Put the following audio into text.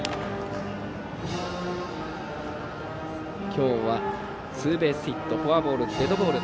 今日はツーベースヒットフォアボール、デッドボール。